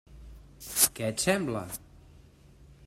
Què et sembla?